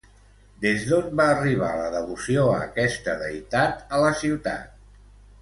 Des d'on va arribar la devoció a aquesta deïtat a la ciutat?